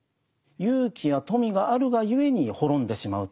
勇気や富があるがゆえに滅んでしまうということもある。